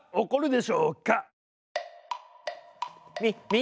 み